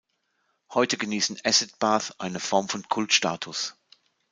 Heute genießen Acid Bath eine Form von Kultstatus.